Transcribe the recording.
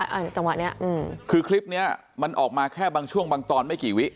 อันนี้จังหวะเนี้ยอืมคือคลิปเนี้ยมันออกมาแค่บางช่วงบางตอนไม่กี่วิ